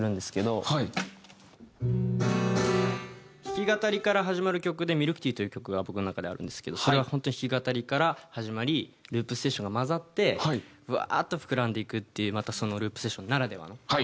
弾き語りから始まる曲で『Ｍｉｌｋｔｅａ』という曲が僕の中であるんですけどそれは本当に弾き語りから始まりループステーションが混ざってぶわーっと膨らんでいくっていうまたそのループステーションならではの曲。